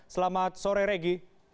selamat sore regi